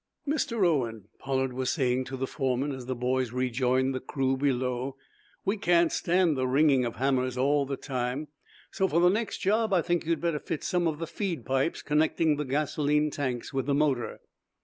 "Mr. Owen," Pollard was saying to the foreman, as the boys rejoined the crew below, "we can't stand the ringing of hammers all the time, so, for the next job, I think you'd better fit some of the feed pipes connecting the gasoline tanks with the motor."